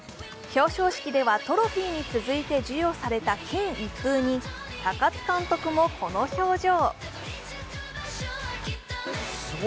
表彰式ではトロフィーに続いて授与された金一封に高津監督もこの表情。